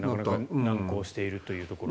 難航しているということで。